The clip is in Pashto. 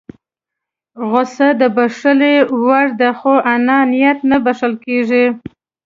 غوسه د بښنې وړ ده خو انانيت نه بښل کېږي.